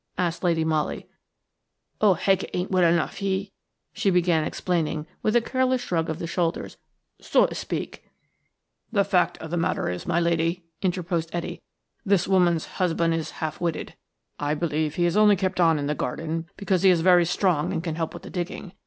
asked Lady Molly. "Oh, Haggett ain't well enough–he–" she began explaining, with a careless shrug of the shoulders, "so to speak–" "The fact of the matter is, my lady," interposed Etty, "this woman's husband is half witted. I believe he is only kept on in the garden because he is very strong and can help with the digging.